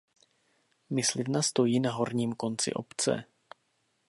Myslivna stojí na horním konci obce.